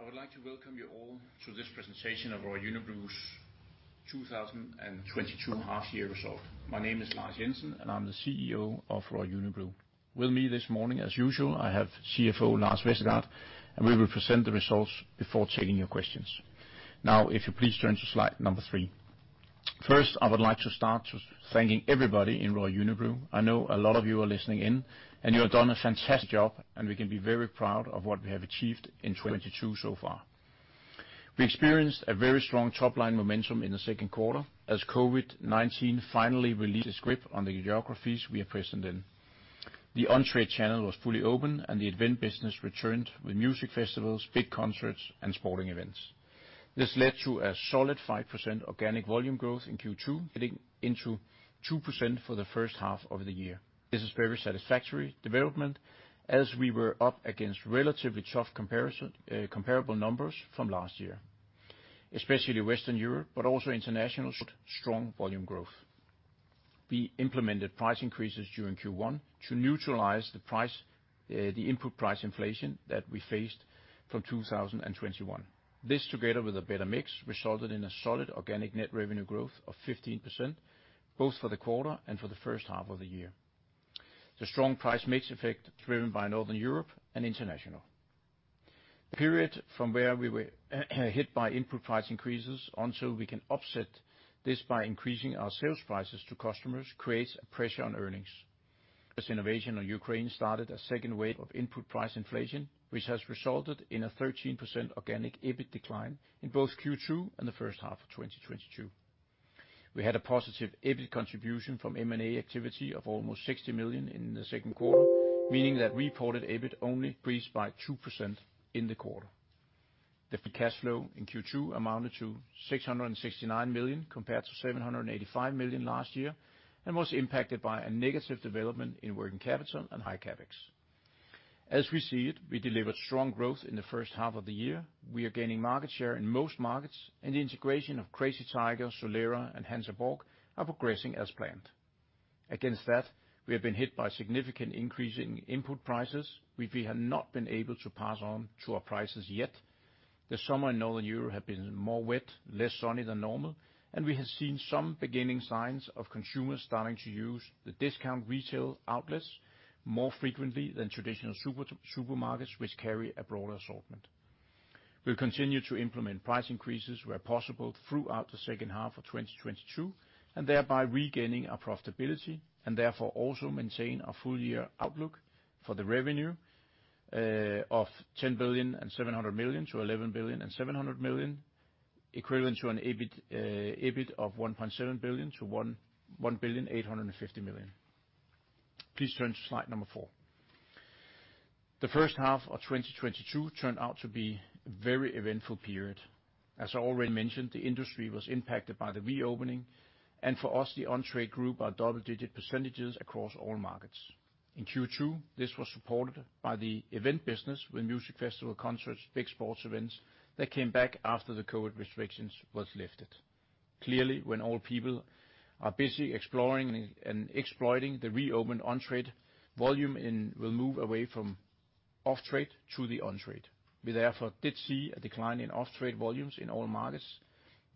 I would like to welcome you all to this presentation of Royal Unibrew's 2022 half year result. My name is Lars Jensen, and I'm the CEO of Royal Unibrew. With me this morning as usual, I have CFO Lars Vestergaard, and we will present the results before taking your questions. Now if you please turn to slide number 3. First, I would like to start by thanking everybody in Royal Unibrew. I know a lot of you are listening in, and you have done a fantastic job, and we can be very proud of what we have achieved in 2022 so far. We experienced a very strong top-line momentum in the second quarter as COVID-19 finally released its grip on the geographies we are present in. The on-trade channel was fully open, and the event business returned with music festivals, big concerts, and sporting events. This led to a solid 5% organic volume growth in Q2, getting into 2% for the first half of the year. This is very satisfactory development as we were up against relatively tough comparables from last year, especially Western Europe, but also international showed strong volume growth. We implemented price increases during Q1 to neutralize the input price inflation that we faced from 2021. This together with a better mix resulted in a solid organic net revenue growth of 15% both for the quarter and for the first half of the year. The strong price mix effect driven by Northern Europe and international. The period from where we were hit by input price increases until we can offset this by increasing our sales prices to customers creates a pressure on earnings. As the invasion of Ukraine started a second wave of input price inflation, which has resulted in a 13% organic EBIT decline in both Q2 and the first half of 2022. We had a positive EBIT contribution from M&A activity of almost 60 million in the second quarter, meaning that reported EBIT only increased by 2% in the quarter. The free cash flow in Q2 amounted to 669 million compared to 785 million last year and was impacted by a negative development in working capital and high CapEx. As we see it, we delivered strong growth in the first half of the year. We are gaining market share in most markets, and the integration of Crazy Tiger, Solera, and Hansa Borg are progressing as planned. Against that, we have been hit by significant increase in input prices, which we have not been able to pass on to our prices yet. The summer in Northern Europe have been more wet, less sunny than normal, and we have seen some beginning signs of consumers starting to use the discount retail outlets more frequently than traditional supermarkets which carry a broader assortment. We'll continue to implement price increases where possible throughout the second half of 2022 and thereby regaining our profitability and therefore also maintain our full-year outlook for the revenue of 10.7 billion-11.7 billion, equivalent to an EBIT of 1.7 billion-1.85 billion. Please turn to slide 4. The first half of 2022 turned out to be very eventful period. As I already mentioned, the industry was impacted by the reopening, and for us, the on-trade grew by double-digit percentages across all markets. In Q2, this was supported by the event business with music festival, concerts, big sports events that came back after the COVID restrictions was lifted. Clearly, when all people are busy exploring and exploiting the reopened on-trade, volume in will move away from off-trade to the on-trade. We therefore did see a decline in off-trade volumes in all markets,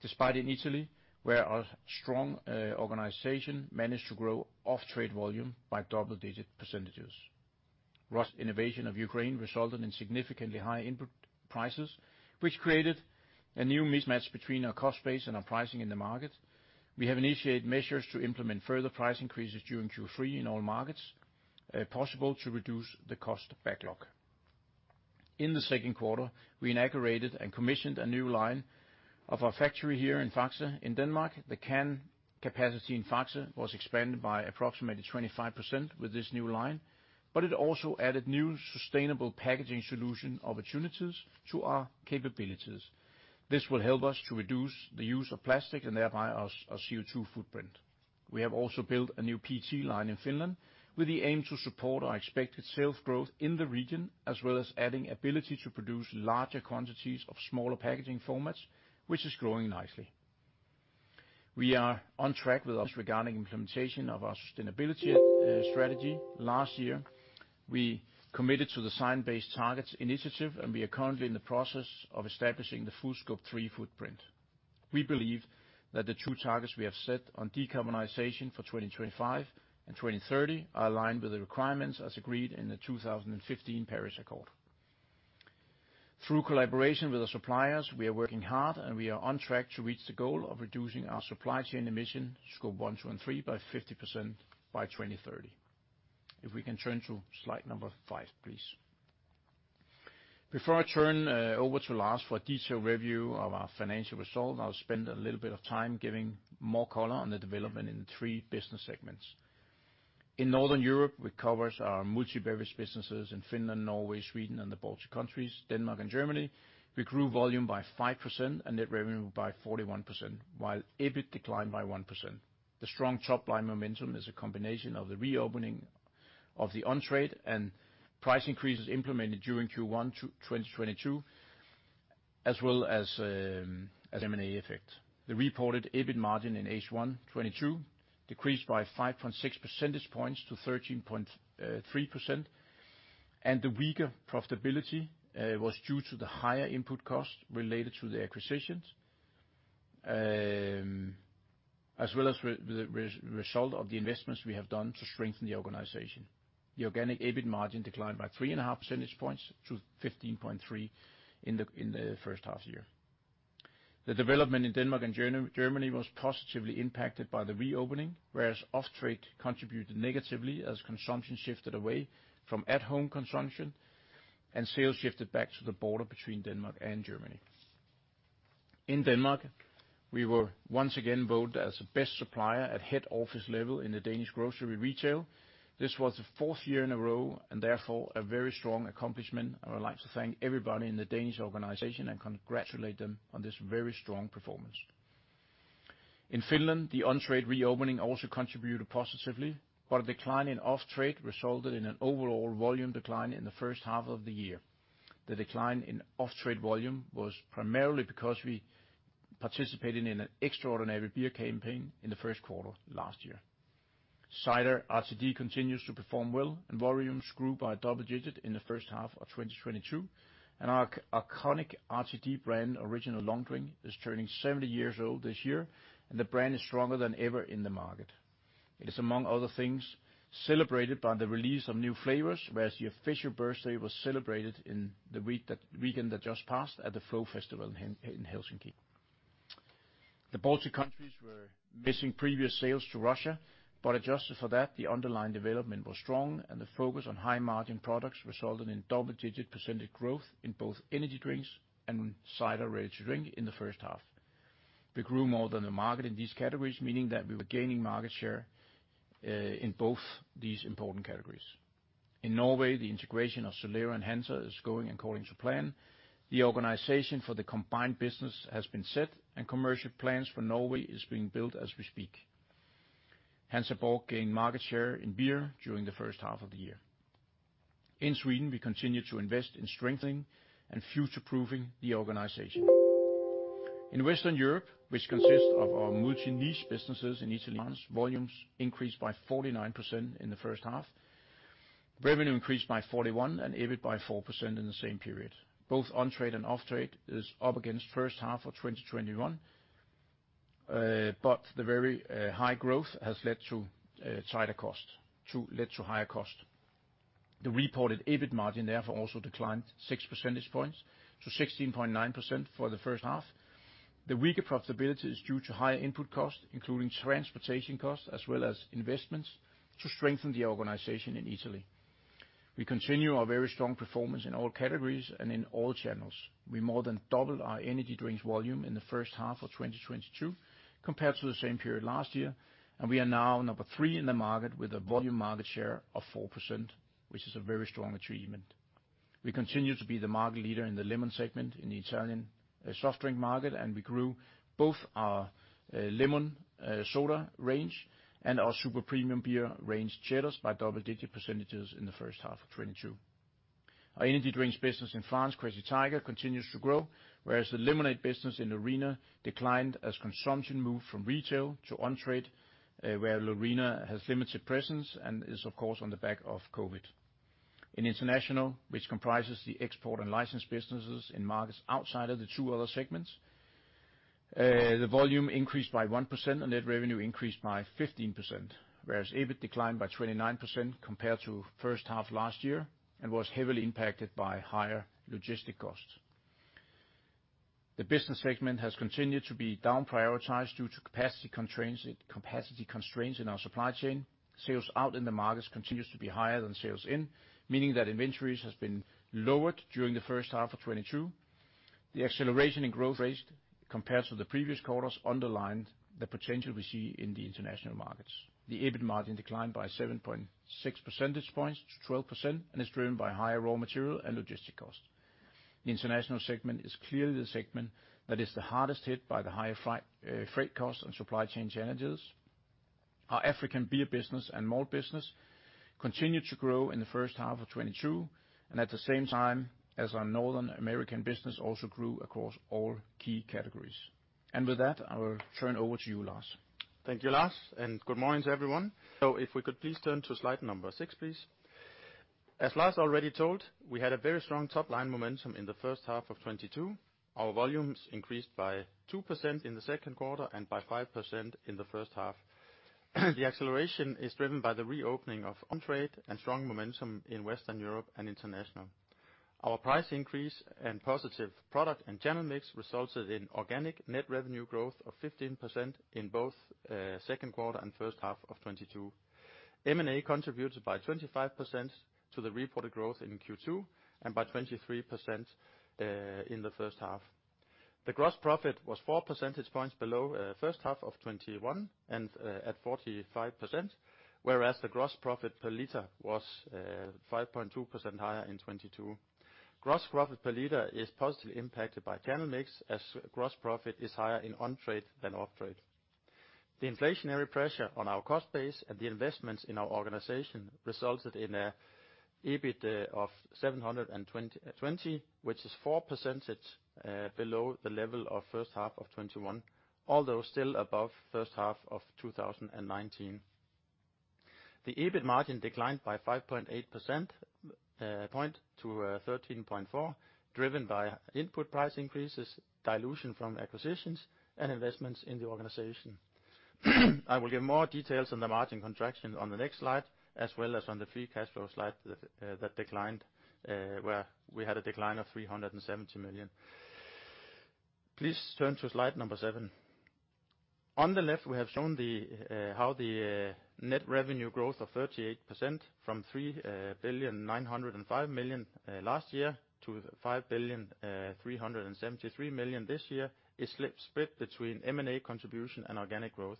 despite in Italy, where our strong organization managed to grow off-trade volume by double-digit percentages. Russia's invasion of Ukraine resulted in significantly higher input prices, which created a new mismatch between our cost base and our pricing in the market. We have initiated measures to implement further price increases during Q3 in all markets, possible to reduce the cost backlog. In the second quarter, we inaugurated and commissioned a new line of our factory here in Faxe in Denmark. The can capacity in Faxe was expanded by approximately 25% with this new line, but it also added new sustainable packaging solution opportunities to our capabilities. This will help us to reduce the use of plastic and thereby our CO2 footprint. We have also built a new PET line in Finland with the aim to support our expected sales growth in the region, as well as adding ability to produce larger quantities of smaller packaging formats, which is growing nicely. We are on track with our regarding implementation of our sustainability strategy. Last year, we committed to the Science Based Targets initiative, and we are currently in the process of establishing the full Scope 3 footprint. We believe that the two targets we have set on decarbonization for 2025 and 2030 are aligned with the requirements as agreed in the 2015 Paris Accord. Through collaboration with our suppliers, we are working hard, and we are on track to reach the goal of reducing our supply chain emission, Scope 1, 2, and 3, by 50% by 2030. If we can turn to slide number 5, please. Before I turn over to Lars for a detailed review of our financial result, I'll spend a little bit of time giving more color on the development in the three business segments. In Northern Europe, which covers our multi-beverage businesses in Finland, Norway, Sweden, and the Baltic countries, Denmark and Germany, we grew volume by 5% and net revenue by 41%, while EBIT declined by 1%. The strong top-line momentum is a combination of the reopening of the on-trade and price increases implemented during Q1 2022. As well as the M&A effect. The reported EBIT margin in H1 2022 decreased by 5.6% to 13.3%, and the weaker profitability was due to the higher input costs related to the acquisitions, as well as the result of the investments we have done to strengthen the organization. The organic EBIT margin declined by 3.5% To 15.3% in the first half year. The development in Denmark and Germany was positively impacted by the reopening, whereas off-trade contributed negatively as consumption shifted away from at-home consumption and sales shifted back to the border between Denmark and Germany. In Denmark, we were once again voted as the best supplier at head office level in the Danish grocery retail. This was the fourth year in a row, and therefore a very strong accomplishment, and I would like to thank everybody in the Danish organization and congratulate them on this very strong performance. In Finland, the on-trade reopening also contributed positively, but a decline in off-trade resulted in an overall volume decline in the first half of the year. The decline in off-trade volume was primarily because we participated in an extraordinary beer campaign in the first quarter last year. Cider RTD continues to perform well, and volumes grew by double-digit in the first half of 2022, and our iconic RTD brand, Original Long Drink, is turning 70 years old this year, and the brand is stronger than ever in the market. It is, among other things, celebrated by the release of new flavors, whereas the official birthday was celebrated in the weekend that just passed at the Flow Festival in Helsinki. The Baltic countries were missing previous sales to Russia, but adjusted for that, the underlying development was strong, and the focus on high-margin products resulted in double-digit % growth in both energy drinks and cider ready-to-drink in the first half. We grew more than the market in these categories, meaning that we were gaining market share in both these important categories. In Norway, the integration of Solera and Hansa is going according to plan. The organization for the combined business has been set, and commercial plans for Norway is being built as we speak. Hansa Borg gained market share in beer during the first half of the year. In Sweden, we continue to invest in strengthening and future-proofing the organization. In Western Europe, which consists of our multi-niche businesses in Italy, France, volumes increased by 49% in the first half. Revenue increased by 41%, and EBIT by 4% in the same period. Both on-trade and off-trade is up against first half of 2021, but the very high growth has led to higher costs. The reported EBIT margin therefore also declined six percentage points to 16.9% for the first half. The weaker profitability is due to higher input costs, including transportation costs, as well as investments to strengthen the organization in Italy. We continue our very strong performance in all categories and in all channels. We more than doubled our energy drinks volume in the first half of 2022 compared to the same period last year, and we are now number 3 in the market with a volume market share of 4%, which is a very strong achievement. We continue to be the market leader in the lemon segment in the Italian soft drink market, and we grew both our Lemonsoda range and our super premium beer range, Ceres, by double-digit percentages in the first half of 2022. Our energy drinks business in France, Crazy Tiger, continues to grow, whereas the lemonade business in Lorina declined as consumption moved from retail to on-trade, where Lorina has limited presence and is of course on the back of COVID-19. In international, which comprises the export and license businesses in markets outside of the two other segments, the volume increased by 1% and net revenue increased by 15%, whereas EBIT declined by 29% compared to first half last year and was heavily impacted by higher logistics costs. The business segment has continued to be down-prioritized due to capacity constraints in our supply chain. Sales out in the markets continue to be higher than sales in, meaning that inventories have been lowered during the first half of 2022. The acceleration in growth rates compared to the previous quarters underlined the potential we see in the international markets. The EBIT margin declined by 7.6% to 12% and is driven by higher raw material and logistics costs. The international segment is clearly the segment that is the hardest hit by the higher freight costs and supply chain challenges. Our African beer business and malt business continued to grow in the first half of 2022, and at the same time as our North American business also grew across all key categories. With that, I will turn over to you, Lars. Thank you, Lars, and good morning to everyone. If we could please turn to slide number 6, please. As Lars already told, we had a very strong top-line momentum in the first half of 2022. Our volumes increased by 2% in the second quarter and by 5% in the first half. The acceleration is driven by the reopening of on-trade and strong momentum in Western Europe and international. Our price increase and positive product and channel mix resulted in organic net revenue growth of 15% in both second quarter and first half of 2022. M&A contributed by 25% to the reported growth in Q2 and by 23% in the first half. The gross profit was 4% below first half of 2021 and at 45%, whereas the gross profit per liter was 5.2% higher in 2022. Gross profit per liter is positively impacted by channel mix, as gross profit is higher in on-trade than off-trade. The inflationary pressure on our cost base and the investments in our organization resulted in an EBIT of 720 million, which is 4% below the level of first half of 2021, although still above first half of 2019. The EBIT margin declined by 5.8% to 13.4%, driven by input price increases, dilution from acquisitions, and investments in the organization. I will give more details on the margin contraction on the next slide, as well as on the free cash flow slide that declined, where we had a decline of 370 million. Please turn to slide number seven. On the left, we have shown how the net revenue growth of 38% from 3.905 billion last year to 5.373 billion this year is split between M&A contribution and organic growth.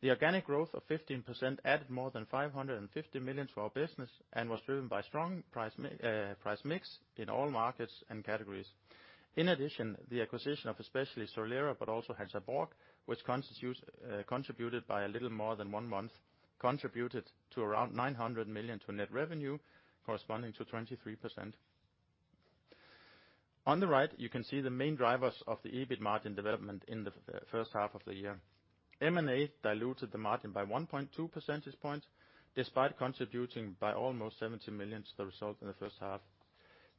The organic growth of 15% added more than 550 million to our business and was driven by strong price mix in all markets and categories. In addition, the acquisition of especially Solera, but also Hansa Borg, which contributed by a little more than one month, contributed to around 900 million to net revenue, corresponding to 23%. On the right, you can see the main drivers of the EBIT margin development in the first half of the year. M&A diluted the margin by 1.2%, despite contributing by almost 70 million to the result in the first half.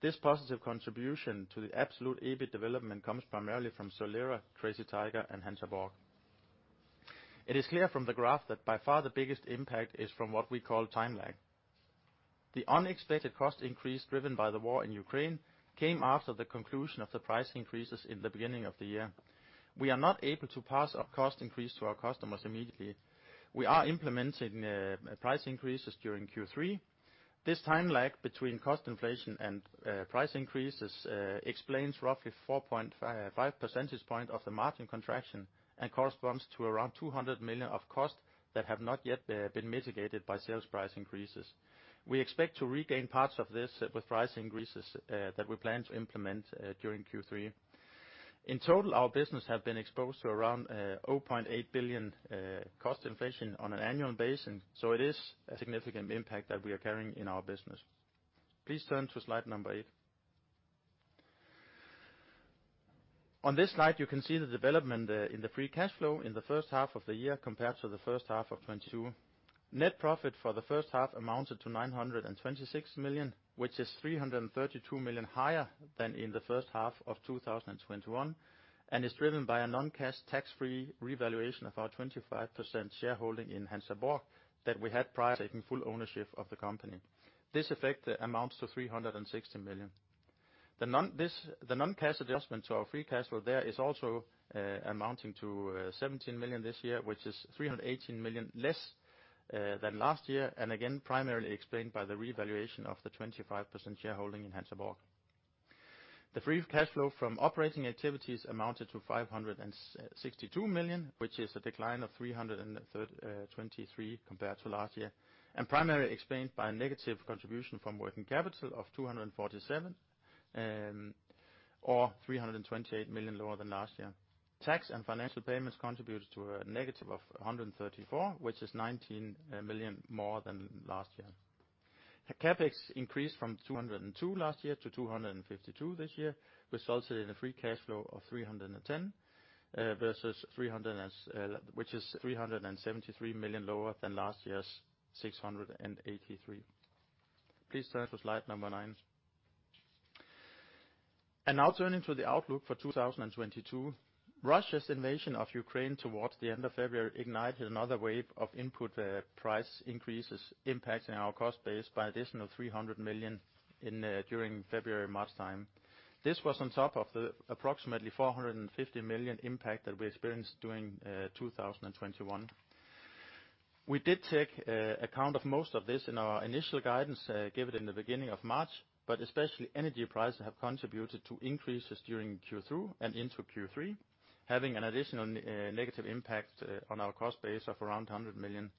This positive contribution to the absolute EBIT development comes primarily from Solera, Crazy Tiger, and Hansa Borg. It is clear from the graph that by far the biggest impact is from what we call time lag. The unexpected cost increase driven by the war in Ukraine came after the conclusion of the price increases in the beginning of the year. We are not able to pass our cost increase to our customers immediately. We are implementing price increases during Q3. This time lag between cost inflation and price increases explains roughly 4.5% of the margin contraction and corresponds to around 200 million of costs that have not yet been mitigated by sales price increases. We expect to regain parts of this with price increases that we plan to implement during Q3. In total, our business have been exposed to around 0.8 billion cost inflation on an annual basis, so it is a significant impact that we are carrying in our business. Please turn to slide number 8. On this slide, you can see the development in the free cash flow in the first half of the year compared to the first half of 2022. Net profit for the first half amounted to 926 million, which is 332 million higher than in the first half of 2021, and is driven by a non-cash tax-free revaluation of our 25% shareholding in Hansa Borg that we had prior to taking full ownership of the company. This effect amounts to 360 million. The non-cash adjustment to our free cash flow there is also amounting to 17 million this year, which is 318 million less than last year, and again, primarily explained by the revaluation of the 25% shareholding in Hansa Borg. The free cash flow from operating activities amounted to 562 million, which is a decline of 323 million compared to last year, and primarily explained by a negative contribution from working capital of 247 million, or 328 million lower than last year. Tax and financial payments contributed to a negative of 134 million, which is 19 million more than last year. The CapEx increased from 202 million last year to 252 million this year. [This] resulted in a free cash flow of 310 million, which is 373 million lower than last year's 683 million. Please turn to slide number nine. Now turning to the outlook for 2022. Russia's invasion of Ukraine towards the end of February ignited another wave of input price increases impacting our cost base by additional 300 million during February-March time. This was on top of the approximately 450 million impact that we experienced during 2021. We did take account of most of this in our initial guidance, given in the beginning of March, but especially energy prices have contributed to increases during Q2 and into Q3, having an additional negative impact on our cost base of around 100 million.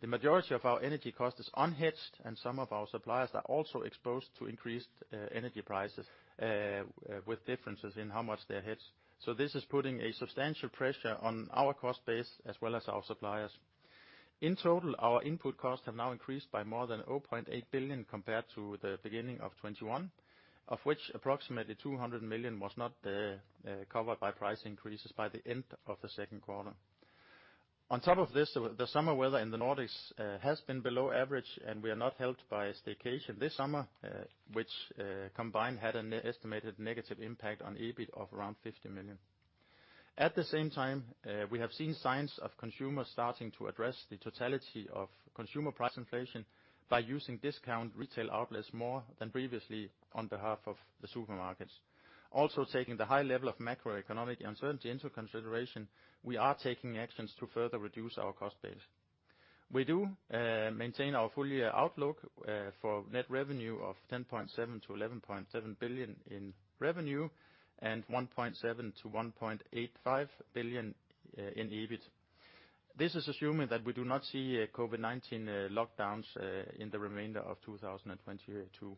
The majority of our energy cost is unhedged, and some of our suppliers are also exposed to increased energy prices with differences in how much they're hedged. This is putting a substantial pressure on our cost base as well as our suppliers. In total, our input costs have now increased by more than 0.8 billion compared to the beginning of 2021, of which approximately 200 million was not covered by price increases by the end of the second quarter. On top of this, the summer weather in the Nordics has been below average, and we are not helped by staycation this summer, which combined had an estimated negative impact on EBIT of around 50 million. At the same time, we have seen signs of consumers starting to address the totality of consumer price inflation by using discount retail outlets more than previously on behalf of the supermarkets. Also, taking the high level of macroeconomic uncertainty into consideration, we are taking actions to further reduce our cost base. We do maintain our full year outlook for net revenue of 10.7 billion-11.7 billion in revenue and 1.7 billion-1.85 billion in EBIT. This is assuming that we do not see COVID-19 lockdowns in the remainder of 2022.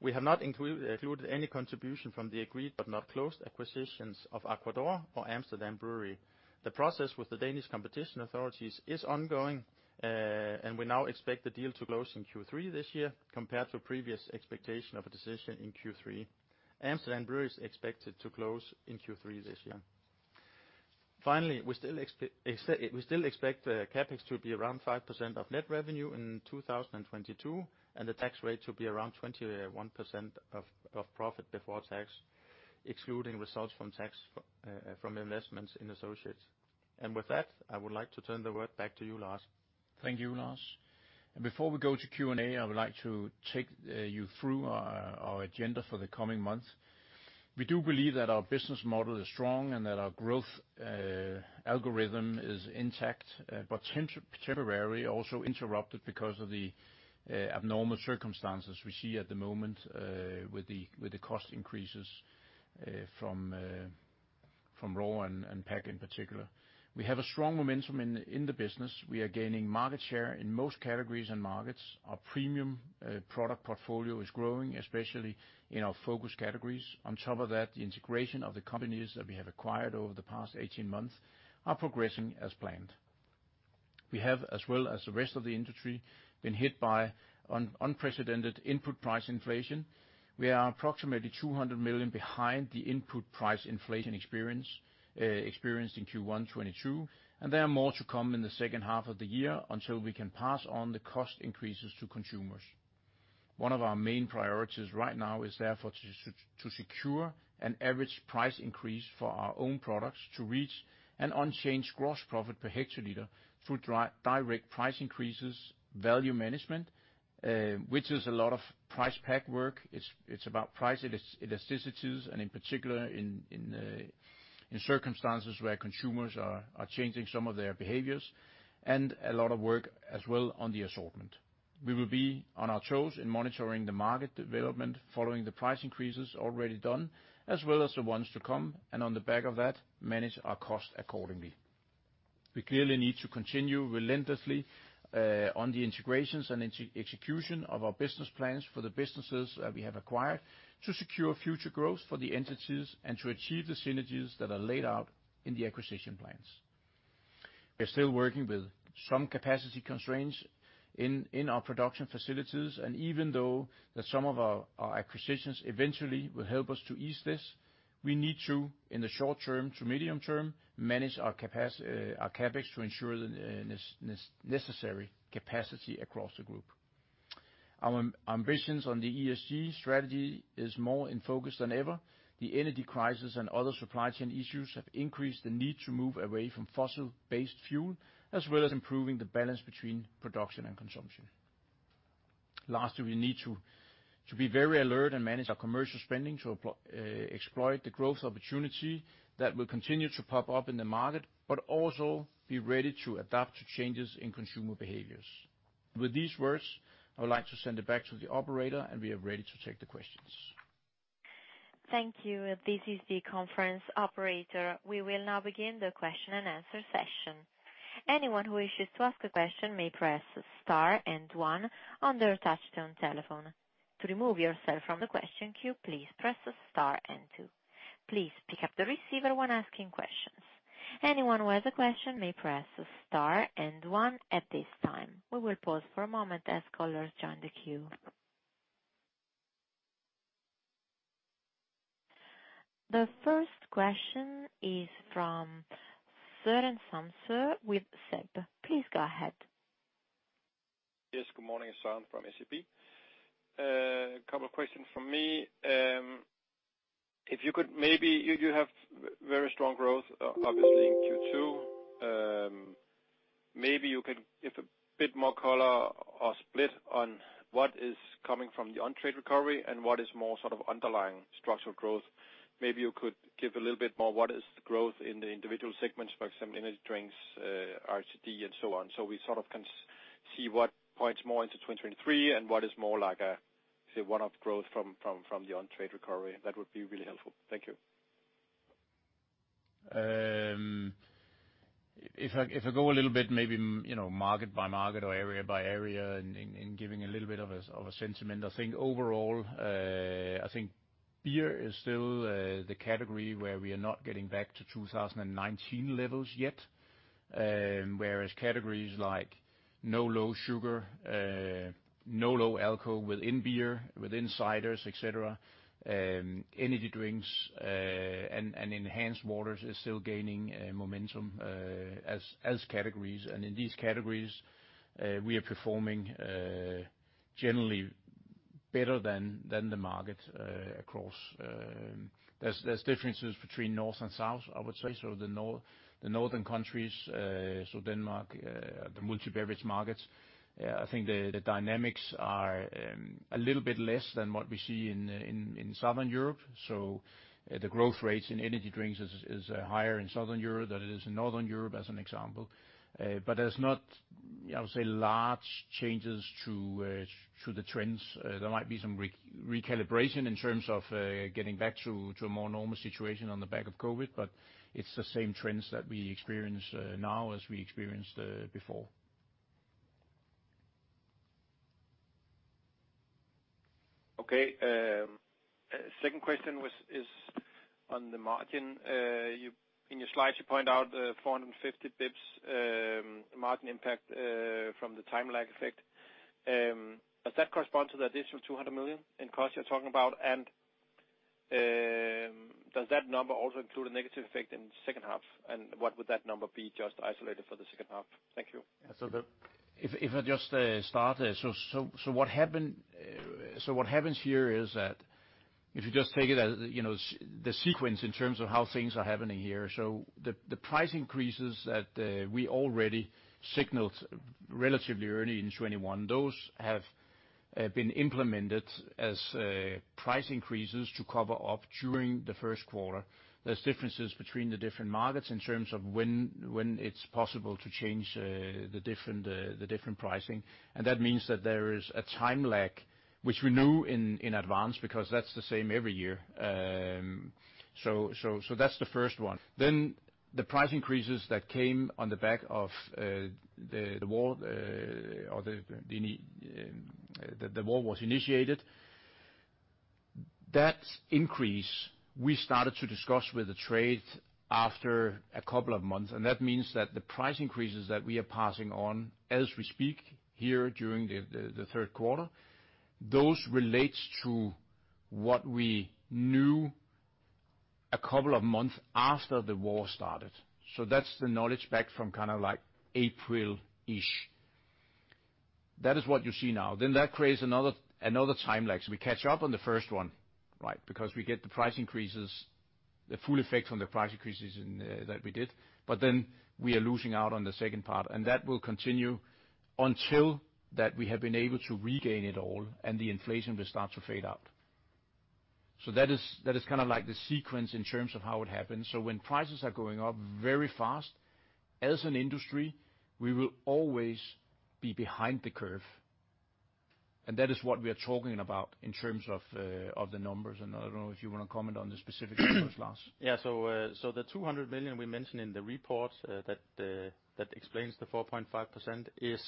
We have not included any contribution from the agreed but not closed acquisitions of Aqua d'Or or Amsterdam Brewery. The process with the Danish Competition Authorities is ongoing, and we now expect the deal to close in Q3 this year compared to previous expectation of a decision in Q3. Amsterdam Brewery is expected to close in Q3 this year. Finally, we still expect CapEx to be around 5% of net revenue in 2022, and the tax rate to be around 21% of profit before tax, excluding results from investments in associates. With that, I would like to turn the word back to you, Lars. Thank you, Lars. Before we go to Q&A, I would like to take you through our agenda for the coming months. We do believe that our business model is strong and that our growth algorithm is intact, but temporarily also interrupted because of the abnormal circumstances we see at the moment, with the cost increases from raw and pack in particular. We have a strong momentum in the business. We are gaining market share in most categories and markets. Our premium product portfolio is growing, especially in our focus categories. On top of that, the integration of the companies that we have acquired over the past 18 months are progressing as planned. We have, as well as the rest of the industry, been hit by unprecedented input price inflation. We are approximately 200 million behind the input price inflation experienced in Q1 2022, and there are more to come in the second half of the year until we can pass on the cost increases to consumers. One of our main priorities right now is therefore to secure an average price increase for our own products to reach an unchanged gross profit per hl through direct price increases, value management, which is a lot of price pack work. It's about price elasticities, and in particular in circumstances where consumers are changing some of their behaviors, and a lot of work as well on the assortment. We will be on our toes in monitoring the market development following the price increases already done, as well as the ones to come, and on the back of that, manage our cost accordingly. We clearly need to continue relentlessly on the integrations and execution of our business plans for the businesses that we have acquired to secure future growth for the entities and to achieve the synergies that are laid out in the acquisition plans. We're still working with some capacity constraints in our production facilities, and even though some of our acquisitions eventually will help us to ease this, we need, in the short term to medium term, to manage our CapEx to ensure the necessary capacity across the group. Our ambitions on the ESG strategy is more in focus than ever. The energy crisis and other supply chain issues have increased the need to move away from fossil-based fuel, as well as improving the balance between production and consumption. Lastly, we need to be very alert and manage our commercial spending to exploit the growth opportunity that will continue to pop up in the market, but also be ready to adapt to changes in consumer behaviors. With these words, I would like to send it back to the operator, and we are ready to take the questions. Thank you. This is the conference operator. We will now begin the question and answer session. Anyone who wishes to ask a question may press star and one on their touchtone telephone. To remove yourself from the question queue, please press star and two. Please pick up the receiver when asking questions. Anyone who has a question may press star and one at this time. We will pause for a moment as callers join the queue. The first question is from Søren Samsøe with SEB. Please go ahead. Yes, good morning. It's Søren from SEB. A couple of questions from me. If you could maybe you have very strong growth, obviously in Q2. Maybe you could give a bit more color or split on what is coming from the on-trade recovery and what is more sort of underlying structural growth. Maybe you could give a little bit more what is the growth in the individual segments, for example, energy drinks, RTD and so on. So we sort of can see what points more into 2023 and what is more like a, say, one-off growth from the on-trade recovery. That would be really helpful. Thank you. If I go a little bit maybe, you know, market by market or area by area in giving a little bit of a sentiment, I think overall, I think beer is still the category where we are not getting back to 2019 levels yet, whereas categories like no low sugar, no low alcohol within beer, within ciders, et cetera, energy drinks, and enhanced waters is still gaining momentum as categories. In these categories, we are performing generally better than the market across. There's differences between north and south, I would say. The northern countries, Denmark, the multi-beverage markets, I think the dynamics are a little bit less than what we see in Southern Europe. The growth rates in energy drinks is higher in Southern Europe than it is in Northern Europe, as an example. But there's not, I would say, large changes to the trends. There might be some recalibration in terms of getting back to a more normal situation on the back of COVID, but it's the same trends that we experience now as we experienced before. Okay. Second question is on the margin. In your slides you point out 450 basis points margin impact from the time lag effect. Does that correspond to the additional 200 million in cost you're talking about? Does that number also include a negative effect in the second half? What would that number be just isolated for the second half? Thank you. If I just start. What happens here is that if you just take it as, you know, the sequence in terms of how things are happening here. The price increases that we already signaled relatively early in 2021, those have been implemented as price increases to cover up during the first quarter. There's differences between the different markets in terms of when it's possible to change the different pricing. That means that there is a time lag, which we knew in advance because that's the same every year. That's the first one. The price increases that came on the back of the war or the war was initiated. That increase we started to discuss with the trade after a couple of months, and that means that the price increases that we are passing on as we speak here during the third quarter, those relates to what we knew a couple of months after the war started. That's the knowledge back from kind of like April-ish. That is what you see now. That creates another time lag. We catch up on the first one, right? Because we get the price increases, the full effect from the price increases in that we did, but then we are losing out on the second part, and that will continue until that we have been able to regain it all and the inflation will start to fade out. That is kind of like the sequence in terms of how it happens. When prices are going up very fast, as an industry, we will always be behind the curve. That is what we are talking about in terms of the numbers. I don't know if you wanna comment on the specifics of those, Lars. The 200 million we mentioned in the report, that explains the 4.5% is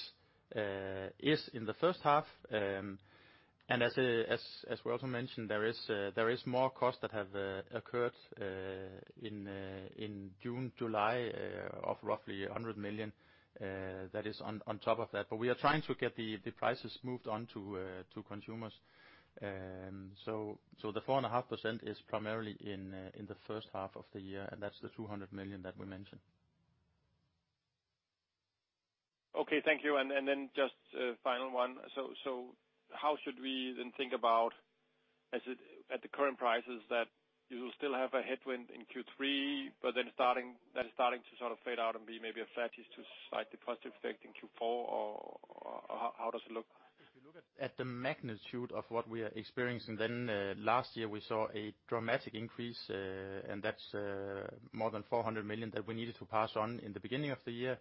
in the first half. As we also mentioned, there is more costs that have occurred in June, July, of roughly 100 million, that is on top of that. We are trying to get the prices moved on to consumers. The 4.5% is primarily in the first half of the year, and that's the 200 million that we mentioned. Okay. Thank you. Just a final one. How should we then think about as it, at the current prices that you will still have a headwind in Q3, but then that is starting to sort of fade out and be maybe a flat-ish to slightly positive effect in Q4? Or how does it look? If you look at the magnitude of what we are experiencing, last year we saw a dramatic increase, and that's more than 400 million that we needed to pass on in the beginning of the year.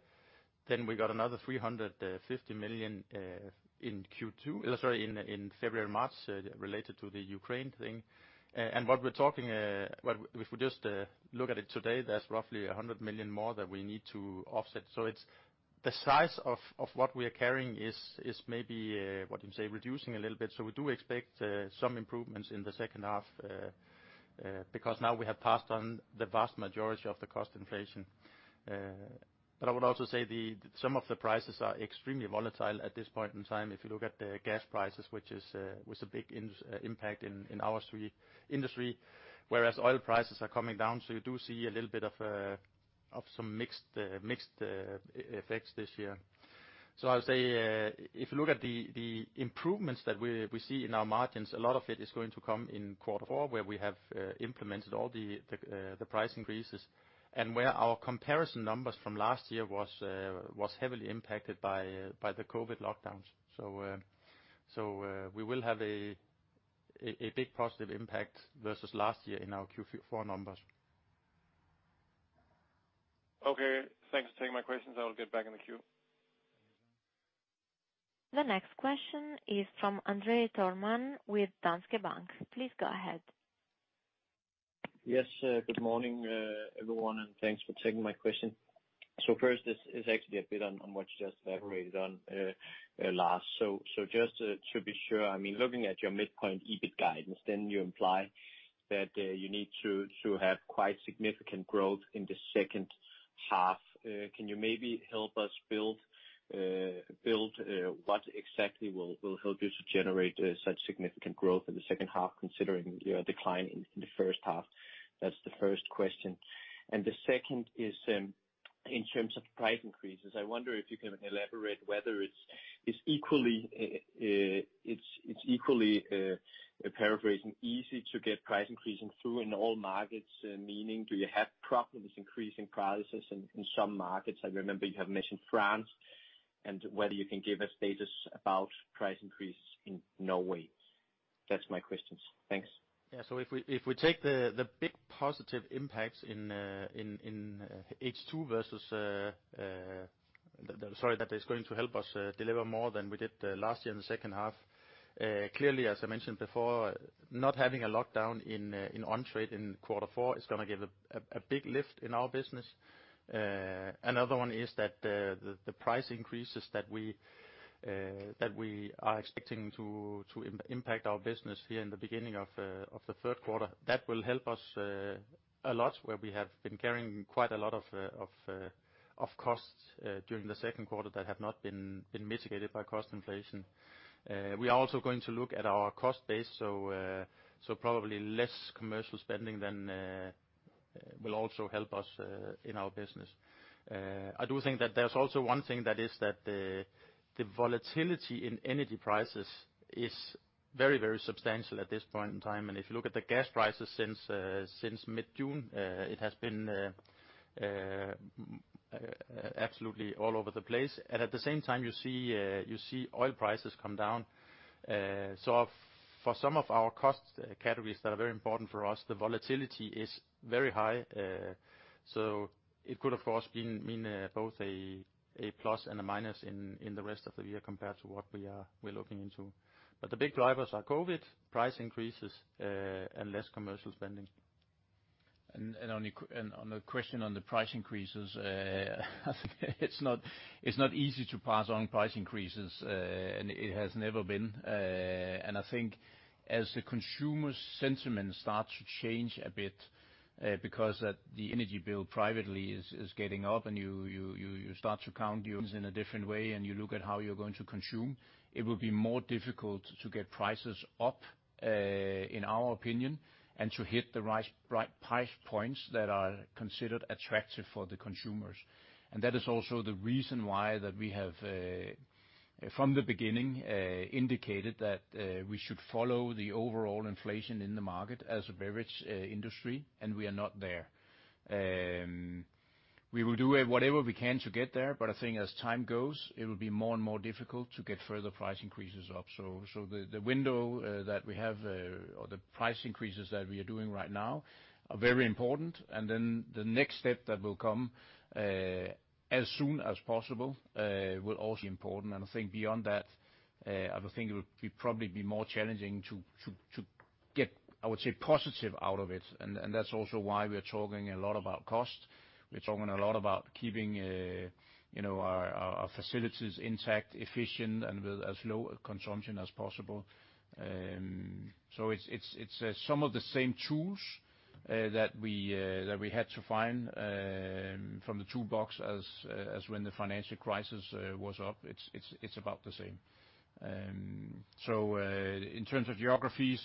We got another 350 million in February and March related to the Ukraine thing. If we just look at it today, that's roughly 100 million more that we need to offset. It's the size of what we are carrying is maybe reducing a little bit. We do expect some improvements in the second half because now we have passed on the vast majority of the cost inflation. I would also say some of the prices are extremely volatile at this point in time. If you look at the gas prices, which was a big industry impact in our brewing industry, whereas oil prices are coming down. You do see a little bit of some mixed effects this year. I would say if you look at the improvements that we see in our margins, a lot of it is going to come in quarter four, where we have implemented all the price increases and where our comparison numbers from last year was heavily impacted by the COVID lockdowns. We will have a big positive impact versus last year in our Q4 numbers. Okay. Thanks for taking my questions. I will get back in the queue. The next question is from André Thormann with Danske Bank. Please go ahead. Yes. Good morning, everyone, and thanks for taking my question. First, this is actually a bit on what you just elaborated on, Lars. Just to be sure, I mean, looking at your midpoint EBIT guidance, then you imply that you need to have quite significant growth in the second half. Can you maybe help us build what exactly will help you to generate such significant growth in the second half considering your decline in the first half? That's the first question. The second is, in terms of price increases, I wonder if you can elaborate whether it's equally easy to get price increases through in all markets, meaning do you have problems increasing prices in some markets? I remember you have mentioned France. Whether you can give a status about price increase in Norway. That's my questions. Thanks. If we take the big positive impacts in H2 versus the, sorry, that is going to help us deliver more than we did last year in the second half. Clearly, as I mentioned before, not having a lockdown in on-trade in quarter four is gonna give a big lift in our business. Another one is that the price increases that we are expecting to impact our business here in the beginning of the third quarter, that will help us a lot where we have been carrying quite a lot of costs during the second quarter that have not been mitigated by cost inflation. We are also going to look at our cost base, so probably less commercial spending than will also help us in our business. I do think that there's also one thing that the volatility in energy prices is very, very substantial at this point in time, and if you look at the gas prices since mid-June, it has been absolutely all over the place. At the same time, you see oil prices come down. For some of our cost categories that are very important for us, the volatility is very high. It could, of course, mean both a plus and a minus in the rest of the year compared to what we're looking into. The big drivers are COVID, price increases, and less commercial spending. On the question on the price increases, it's not easy to pass on price increases, and it has never been. I think as the consumer sentiment starts to change a bit, because the energy bill privately is getting up and you start to count units in a different way, and you look at how you're going to consume, it will be more difficult to get prices up, in our opinion, and to hit the right price points that are considered attractive for the consumers. That is also the reason why we have, from the beginning, indicated that we should follow the overall inflation in the market as a beverage industry, and we are not there. We will do whatever we can to get there, but I think as time goes, it will be more and more difficult to get further price increases up. The window that we have or the price increases that we are doing right now are very important. The next step that will come as soon as possible will also important. I think beyond that, I would think it would probably be more challenging to get, I would say, positive out of it. That's also why we're talking a lot about cost. We're talking a lot about keeping you know, our facilities intact, efficient and with as low consumption as possible. It's some of the same tools that we had to find from the toolbox as when the financial crisis was up. It's about the same. In terms of geographies,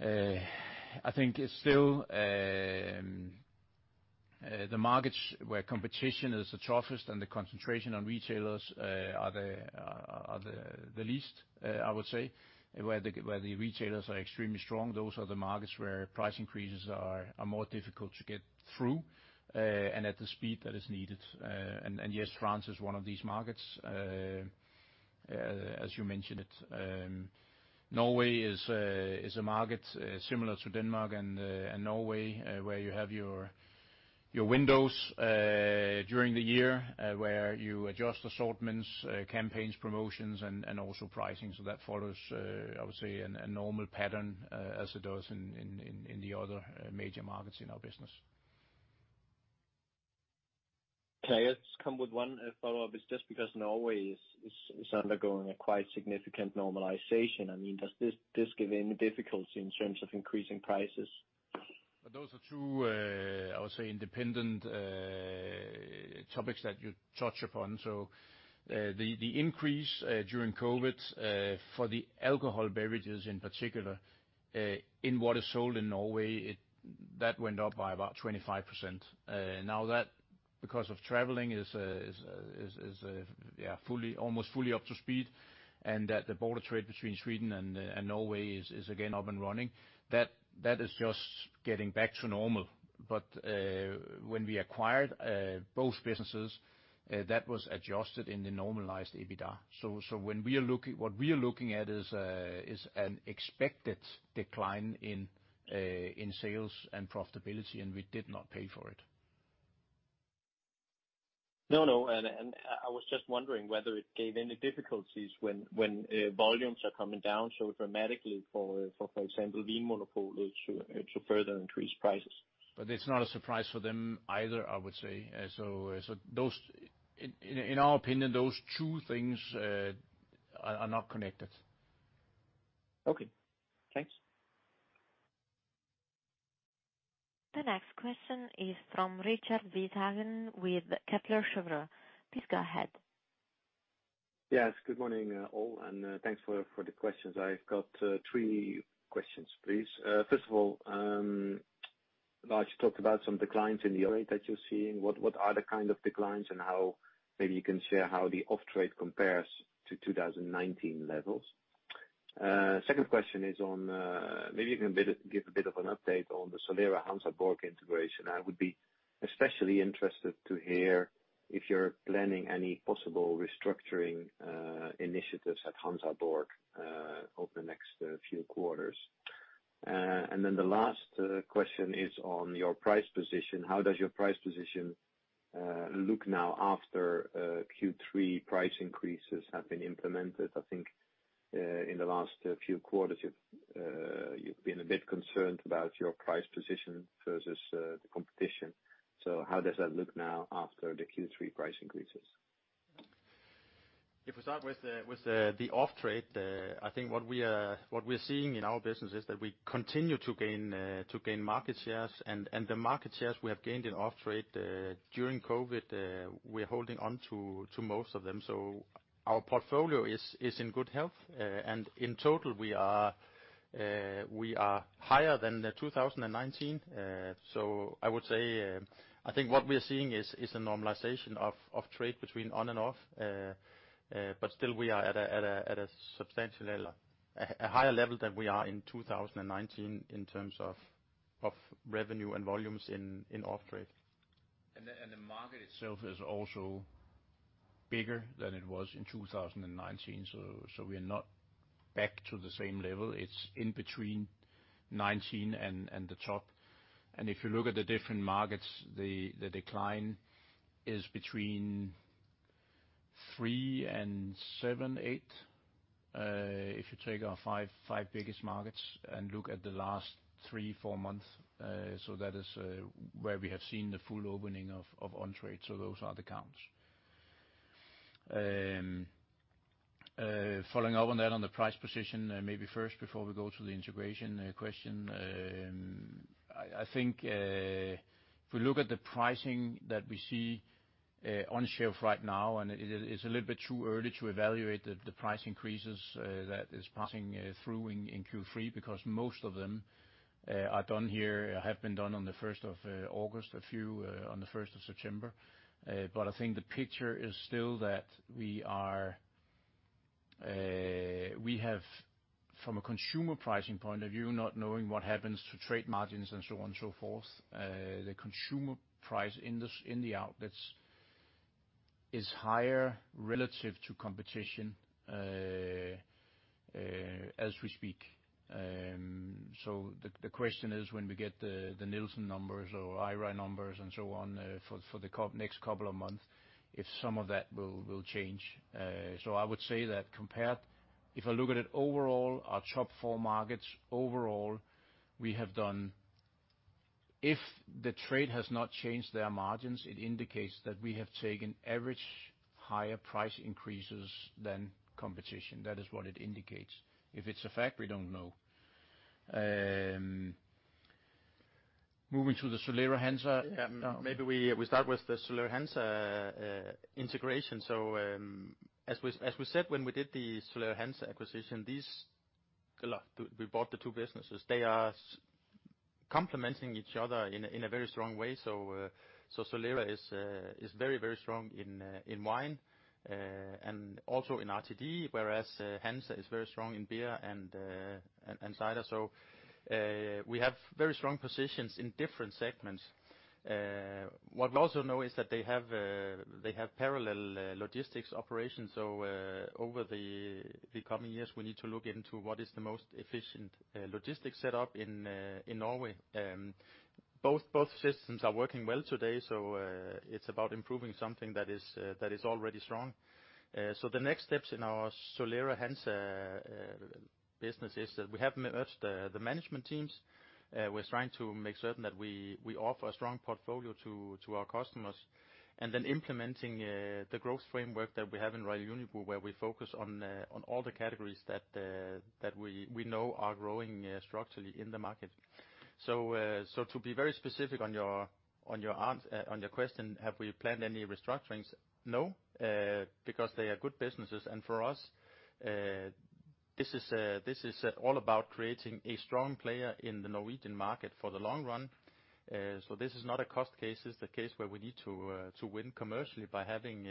I think it's still the markets where competition is the toughest and the concentration on retailers are the least, I would say. Where the retailers are extremely strong, those are the markets where price increases are more difficult to get through and at the speed that is needed. Yes, France is one of these markets, as you mentioned it. Norway is a market similar to Denmark and Norway, where you have your windows during the year, where you adjust assortments, campaigns, promotions, and also pricing. That follows, I would say, a normal pattern, as it does in the other major markets in our business. Can I just come with one follow-up? It's just because Norway is undergoing a quite significant normalization. I mean, does this give any difficulty in terms of increasing prices? Those are two, I would say, independent topics that you touch upon. The increase during COVID for the alcohol beverages in particular, in what is sold in Norway, that went up by about 25%. Now that because of traveling is almost fully up to speed, and that the border trade between Sweden and Norway is again up and running, that is just getting back to normal. When we acquired both businesses, that was adjusted in the normalized EBITDA. What we are looking at is an expected decline in sales and profitability, and we did not pay for it. No, no. I was just wondering whether it gave any difficulties when volumes are coming down so dramatically for example, Vinmonopolet to further increase prices. It's not a surprise for them either, I would say. In our opinion, those two things are not connected. Okay. Thanks. The next question is from Richard Withagen with Kepler Cheuvreux. Please go ahead. Yes. Good morning, all, and thanks for the questions. I've got three questions, please. First of all, Lars, you talked about some declines in the rate that you're seeing. What are the kind of declines and how maybe you can share how the off-trade compares to 2019 levels? Second question is on, maybe you can give a bit of an update on the Solera Hansa Borg integration. I would be especially interested to hear if you're planning any possible restructuring initiatives at Hansa Borg over the next few quarters. The last question is on your price position. How does your price position Look, now after Q3 price increases have been implemented. I think in the last few quarters you've been a bit concerned about your price position versus the competition. How does that look now after the Q3 price increases? If we start with the off-trade, I think what we are seeing in our business is that we continue to gain market shares, and the market shares we have gained in off-trade during COVID, we're holding onto most of them. Our portfolio is in good health. In total, we are higher than 2019. I would say, I think what we are seeing is a normalization of trade between on and off. Still we are at a substantial level, a higher level than we are in 2019 in terms of revenue and volumes in off-trade. The market itself is also bigger than it was in 2019. We are not back to the same level. It's in between 2019 and the top. If you look at the different markets, the decline is between 3% and 7%-8%, if you take our 5 biggest markets and look at the last three or four months, that is where we have seen the full opening of on-trade. Those are the counts. Following up on that, on the price position, maybe first before we go to the integration question. I think if we look at the pricing that we see on shelf right now, it is a little bit too early to evaluate the price increases that is passing through in Q3, because most of them have been done on the first of August, a few on the first of September. I think the picture is still that we have from a consumer pricing point of view, not knowing what happens to trade margins and so on and so forth, the consumer price in the outlets is higher relative to competition as we speak. The question is when we get the Nielsen numbers or IRI numbers and so on, for the next couple of months, if some of that will change. I would say that compared, if I look at it overall, our top four markets overall, we have done. If the trade has not changed their margins, it indicates that we have taken average higher price increases than competition. That is what it indicates. If it's a fact, we don't know. Moving to the Solera and Hansa. Yeah. Maybe we start with the Solera and Hansa integration. As we said when we did the Solera and Hansa acquisition, we bought the two businesses. They are complementing each other in a very strong way. Solera is very, very strong in wine and also in RTD, whereas Hansa is very strong in beer and cider. We have very strong positions in different segments. What we also know is that they have parallel logistics operations. Over the coming years, we need to look into what is the most efficient logistics set up in Norway. Both systems are working well today, so it's about improving something that is already strong. The next steps in our Solera and Hansa business is that we have merged the management teams. We're trying to make certain that we offer a strong portfolio to our customers. Then implementing the growth framework that we have in Royal Unibrew, where we focus on all the categories that we know are growing structurally in the market. To be very specific on your question, have we planned any restructurings? No, because they are good businesses, and for us, this is all about creating a strong player in the Norwegian market for the long run. This is not a cost case. It's a case where we need to win commercially by having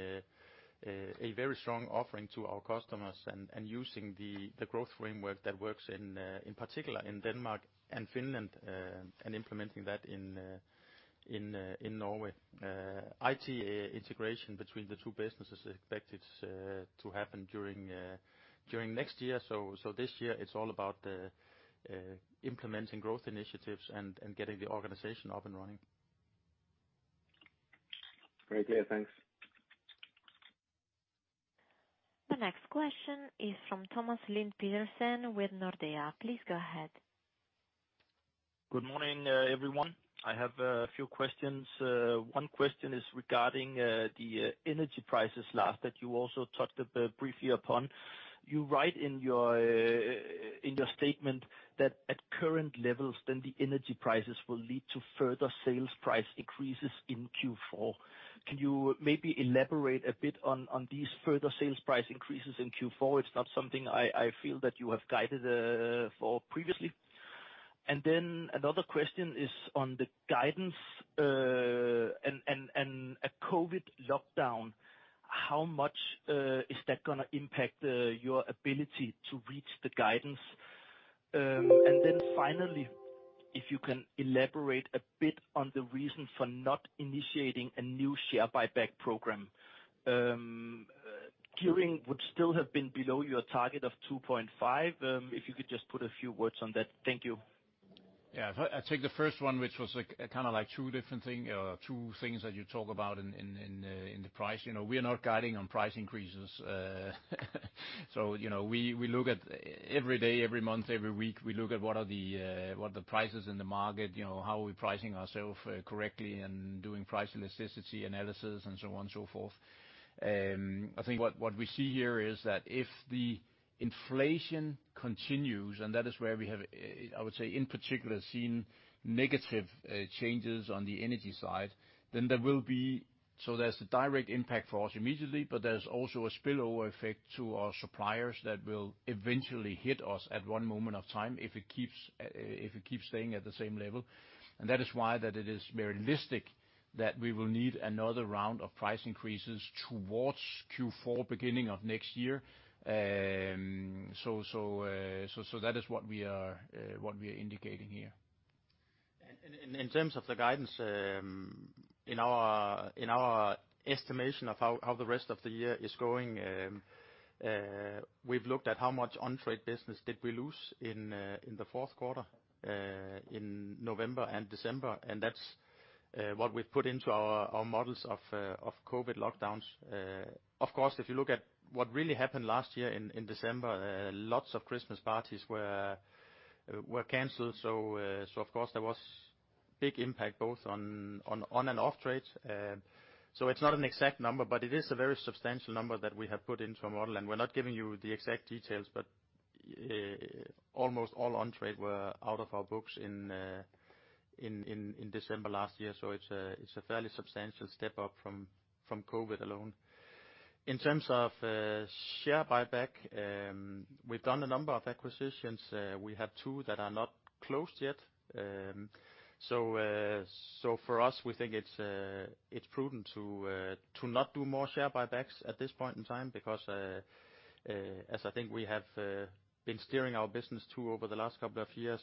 a very strong offering to our customers and using the growth framework that works in particular in Denmark and Finland and implementing that in Norway. IT integration between the two businesses is expected to happen during next year. This year it's all about implementing growth initiatives and getting the organization up and running. Great. Yeah, thanks. The next question is from Thomas Lind Petersen with Nordea. Please go ahead. Good morning, everyone. I have a few questions. One question is regarding the energy prices last that you also touched a bit briefly upon. You write in your statement that at current levels, then the energy prices will lead to further sales price increases in Q4. Can you maybe elaborate a bit on these further sales price increases in Q4? It's not something I feel that you have guided for previously. Another question is on the guidance and a COVID lockdown. How much is that gonna impact your ability to reach the guidance? Finally, if you can elaborate a bit on the reason for not initiating a new share buyback program. Gearing would still have been below your target of 2.5. If you could just put a few words on that. Thank you. Yeah, I'll take the first one, which was like, kind of like two different things that you talk about in the price. You know, we are not guiding on price increases. You know, we look at every day, every month, every week, what the prices in the market are, you know, how we are pricing ourselves correctly and doing price elasticity analysis, and so on and so forth. I think what we see here is that if the inflation continues, and that is where we have, I would say in particular, seen negative changes on the energy side, then there will be. There's the direct impact for us immediately, but there's also a spillover effect to our suppliers that will eventually hit us at one moment of time if it keeps staying at the same level. That is why it is very realistic that we will need another round of price increases towards Q4, beginning of next year. That is what we are indicating here. In terms of the guidance, in our estimation of how the rest of the year is going, we've looked at how much on-trade business did we lose in the fourth quarter, in November and December, and that's what we've put into our models of COVID lockdowns. Of course, if you look at what really happened last year in December, lots of Christmas parties were canceled. Of course there was big impact both on and off-trade. It's not an exact number, but it is a very substantial number that we have put into our model, and we're not giving you the exact details, but almost all on-trade were out of our books in December last year. It's a fairly substantial step up from COVID alone. In terms of share buyback, we've done a number of acquisitions. We have 2 that are not closed yet. For us, we think it's prudent to not do more share buybacks at this point in time because as I think we have been steering our business to over the last couple of years,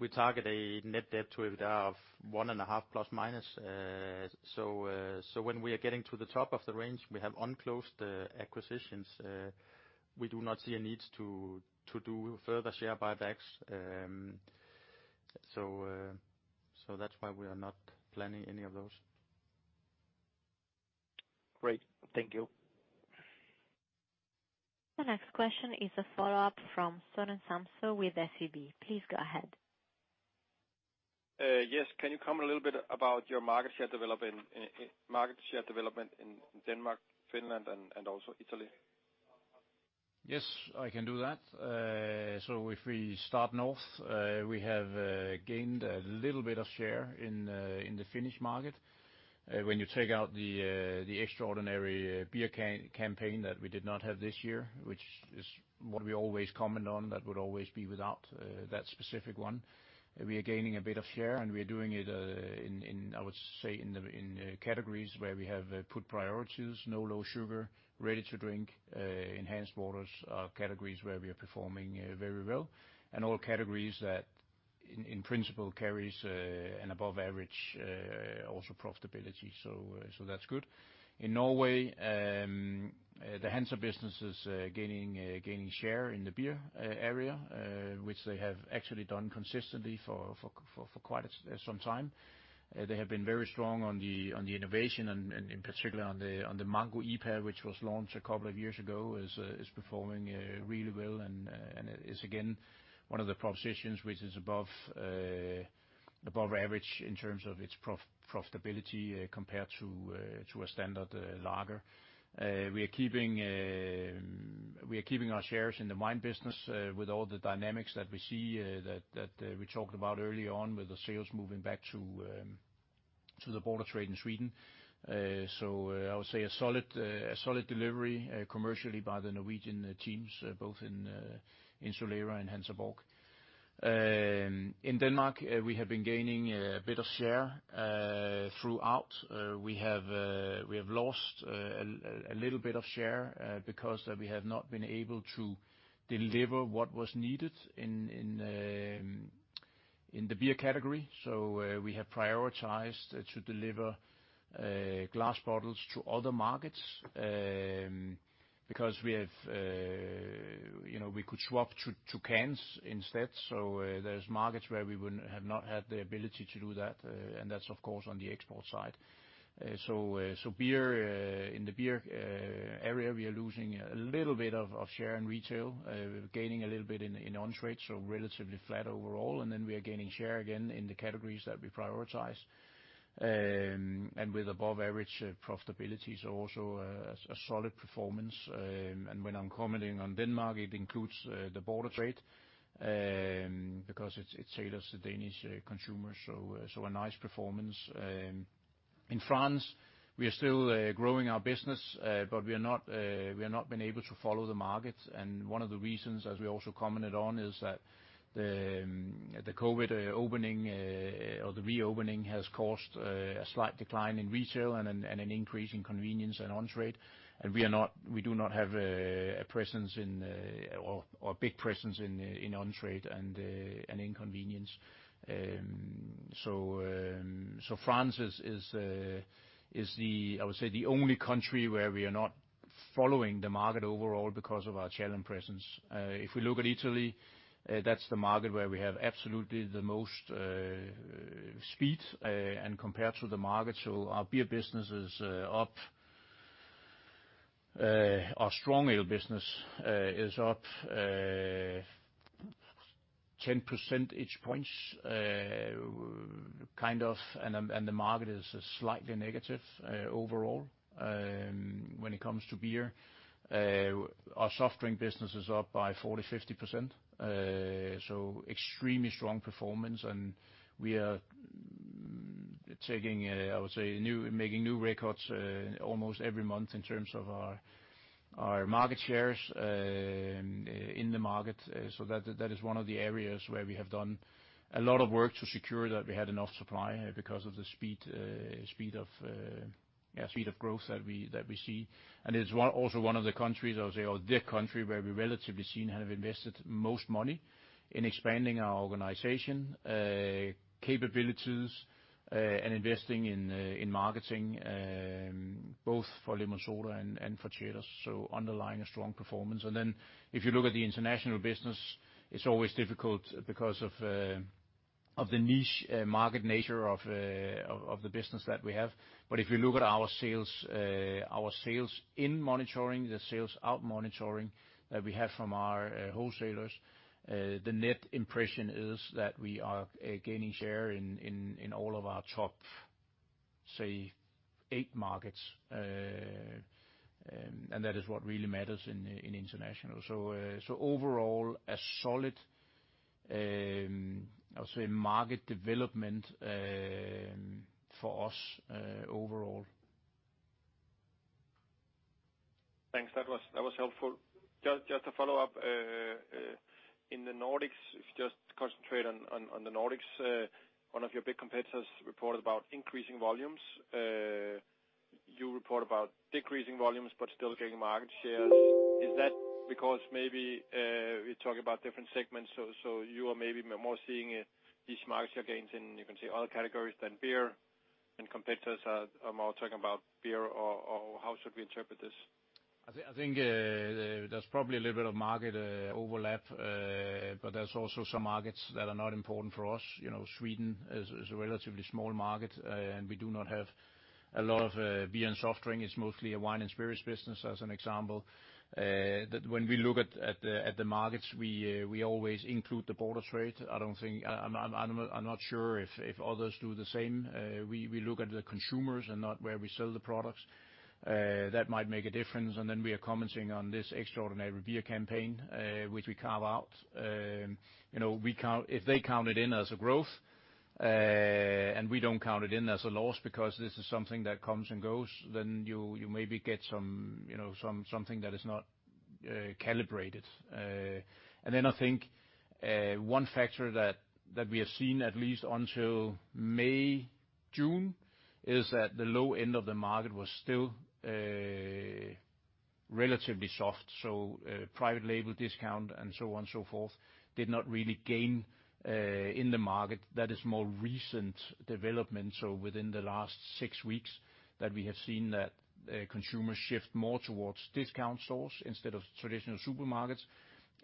we target a net debt to EBITDA of 1.5 ±. When we are getting to the top of the range, we have unclosed acquisitions. We do not see a need to do further share buybacks. That's why we are not planning any of those. Great. Thank you. The next question is a follow-up from Søren Samsøe with SEB. Please go ahead. Yes. Can you comment a little bit about your market share development in Denmark, Finland, and also Italy? Yes, I can do that. If we start north, we have gained a little bit of share in the Finnish market. When you take out the extraordinary beer can campaign that we did not have this year, which is what we always comment on, that would always be without that specific one. We are gaining a bit of share, and we are doing it in, I would say, in the categories where we have put priorities on low sugar, ready to drink, enhanced waters are categories where we are performing very well, and all categories that in principle carries an above average also profitability. That's good. In Norway, the Hansa business is gaining share in the beer area, which they have actually done consistently for quite some time. They have been very strong on the innovation and in particular on the Mango IPA, which was launched a couple of years ago, is performing really well and it is again one of the propositions which is above average in terms of its profitability compared to a standard lager. We are keeping our shares in the wine business with all the dynamics that we see that we talked about early on with the sales moving back to the border trade in Sweden. I would say a solid delivery commercially by the Norwegian teams both in Solera and Hansa Borg. In Denmark, we have been gaining a bit of share throughout. We have lost a little bit of share because we have not been able to deliver what was needed in the beer category. We have prioritized to deliver glass bottles to other markets because we have, you know, we could swap to cans instead. There's markets where we wouldn't have not had the ability to do that. That's of course on the export side. Beer in the beer area, we are losing a little bit of share in retail, gaining a little bit in on-trade, so relatively flat overall. We are gaining share again in the categories that we prioritize. With above average profitabilities, also a solid performance. When I'm commenting on Denmark, it includes the border trade, because it caters to Danish consumers, so a nice performance. In France, we are still growing our business, but we have not been able to follow the market. One of the reasons, as we also commented on, is that the COVID opening or the reopening has caused a slight decline in retail and an increase in convenience and on-trade. We do not have a presence in or a big presence in on-trade and in convenience. France is, I would say, the only country where we are not following the market overall because of our channel presence. If we look at Italy, that is the market where we have absolutely the most share and compared to the market. Our beer business is up. Our strong ale business is up 10%, kind of, and the market is slightly negative overall when it comes to beer. Our soft drink business is up by 40-50%, so extremely strong performance and we are taking, I would say, new. Making new records almost every month in terms of our market shares in the market. That is one of the areas where we have done a lot of work to secure that we had enough supply, because of the speed of growth that we see. It's also one of the countries, I would say, or the country where we relatively have invested most money in expanding our organization capabilities and investing in marketing both for Lemonsoda and for Ceres. Underlying a strong performance. Then if you look at the international business, it's always difficult because of the niche market nature of the business that we have. If you look at our sales, our sales in monitoring, the sales out monitoring that we have from our wholesalers, the net impression is that we are gaining share in all of our top, say, eight markets. That is what really matters in international. Overall, a solid, I would say market development, for us, overall. Thanks. That was helpful. Just to follow up. In the Nordics, if you just concentrate on the Nordics, one of your big competitors reported about increasing volumes. You report about decreasing volumes, but still gaining market shares. Is that because maybe we talk about different segments, so you are maybe more seeing these market share gains in, you can say, other categories than beer and competitors are more talking about beer or how should we interpret this? I think there's probably a little bit of market overlap, but there's also some markets that are not important for us. You know, Sweden is a relatively small market, and we do not have a lot of beer and soft drink. It's mostly a wine and spirits business as an example. That when we look at the markets, we always include the border trade. I don't think. I'm not sure if others do the same. We look at the consumers and not where we sell the products, that might make a difference. We are commenting on this extraordinary beer campaign, which we carve out. You know, we count. If they count it in as a growth, and we don't count it in as a loss because this is something that comes and goes, then you maybe get some, you know, something that is not calibrated. I think one factor that we have seen at least until May, June, is that the low end of the market was still relatively soft. Private label discount and so on and so forth did not really gain in the market. That is more recent development. Within the last six weeks that we have seen that consumers shift more towards discount stores instead of traditional supermarkets,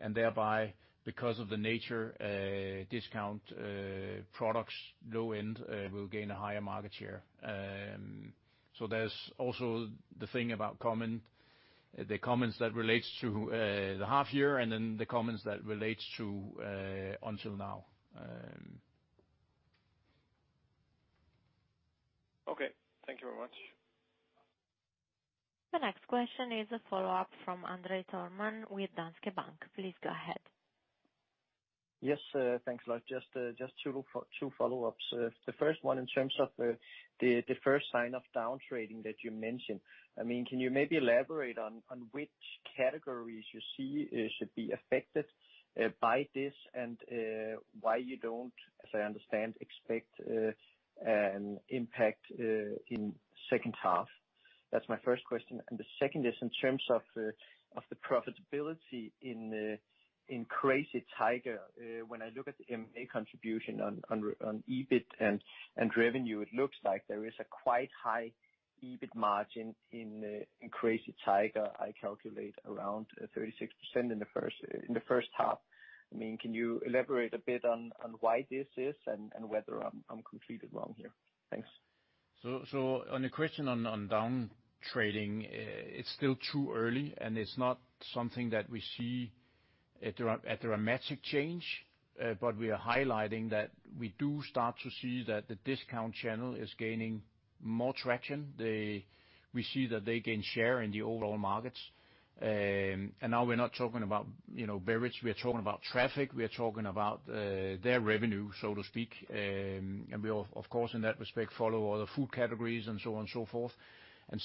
and thereby because of the nature discount products, low end, will gain a higher market share. There's also the thing about comment, the comments that relates to the half year, and then the comments that relates to until now. Okay. Thank you very much. The next question is a follow-up from André Thormann with Danske Bank. Please go ahead. Yes, thanks a lot. Just two follow-ups. The first one in terms of the first sign of down trading that you mentioned. I mean, can you maybe elaborate on which categories you see should be affected by this and why you don't, as I understand, expect an impact in second half? That's my first question. The second is in terms of the profitability in Crazy Tiger. When I look at the M&A contribution on EBIT and revenue, it looks like there is a quite high EBIT margin in Crazy Tiger. I calculate around 36% in the first half. I mean, can you elaborate a bit on why this is and whether I'm completely wrong here? Thanks. On the question on down trading, it's still too early, and it's not something that we see a dramatic change, but we are highlighting that we do start to see that the discount channel is gaining more traction. We see that they gain share in the overall markets. Now we're not talking about, you know, beverage, we are talking about traffic, we are talking about their revenue, so to speak. We of course, in that respect, follow other food categories and so on and so forth.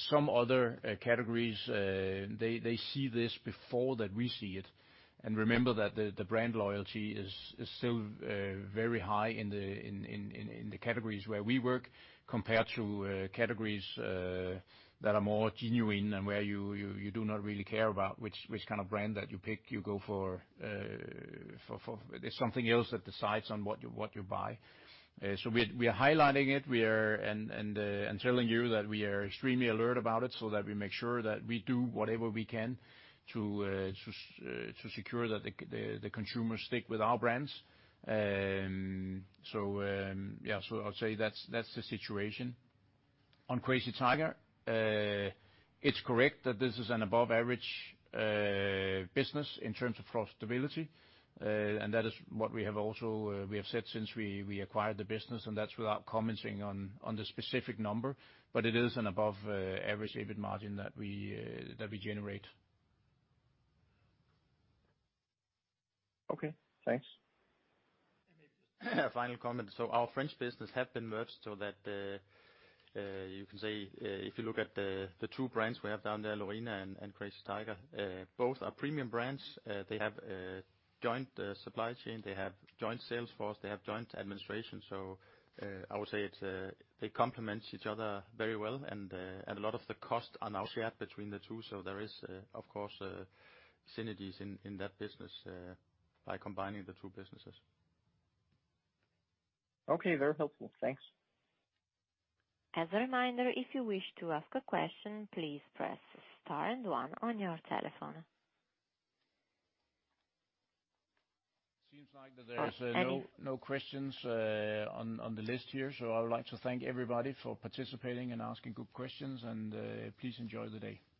Some other categories, they see this before that we see it. Remember that the brand loyalty is still very high in the categories where we work compared to categories that are more generic and where you do not really care about which kind of brand that you pick. There's something else that decides on what you buy. We are highlighting it and telling you that we are extremely alert about it so that we make sure that we do whatever we can to secure that the consumers stick with our brands. I'll say that's the situation. On Crazy Tiger, it's correct that this is an above average business in terms of profitability, and that is what we have also said since we acquired the business, and that's without commenting on the specific number, but it is an above average EBIT margin that we generate. Okay, thanks. Final comment. Our French business have been merged so that you can say if you look at the two brands we have down there, Lorina and Crazy Tiger, both are premium brands. They have a joint supply chain, they have joint sales force, they have joint administration. I would say it's they complement each other very well and a lot of the costs are now shared between the two. There is of course synergies in that business by combining the two businesses. Okay. Very helpful. Thanks. As a reminder, if you wish to ask a question, please press star and one on your telephone. Seems like that there's no questions on the list here. I would like to thank everybody for participating and asking good questions, and please enjoy the day.